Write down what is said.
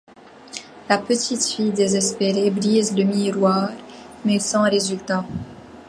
La petite fille, désespérée, brise le miroir, mais sans résultat.